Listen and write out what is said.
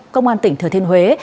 công an tỉnh thừa thiên huế